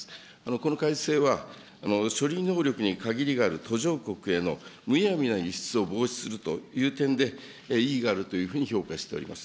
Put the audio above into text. この改正は、処理能力に限りがある途上国へのむやみな輸出を防止するという点で、意義があるというふうに評価しております。